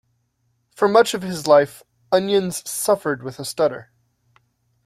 For much of his life, Onions suffered with a stutter.